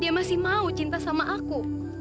dia masih mau cinta sama aku